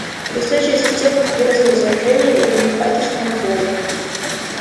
Устойчивость системы к вирусному заражению или хакерскому взлому